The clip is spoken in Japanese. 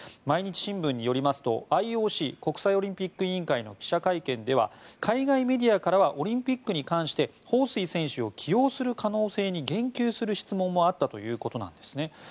毎日新聞によりますとＩＯＣ・国際オリンピック委員会の記者会見では海外メディアからはオリンピックに関してホウ・スイ選手を起用する可能性に言及する質問もあったということなんですね。